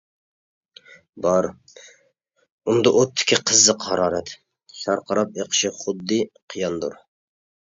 بار ئۇندا ئوتتىكى قىزىق ھارارەت، شارقىراپ ئېقىشى خۇددى قىياندۇر.